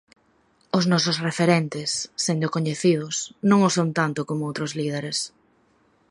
Os nosos referentes, sendo coñecidos, non o son tanto como outros líderes.